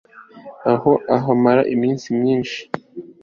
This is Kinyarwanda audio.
aho ahamara iminsi myinshi